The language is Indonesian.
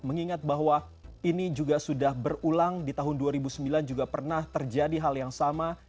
mengingat bahwa ini juga sudah berulang di tahun dua ribu sembilan juga pernah terjadi hal yang sama